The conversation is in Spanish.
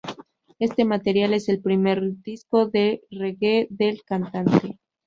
Este material es el primer disco de reggae del cantante.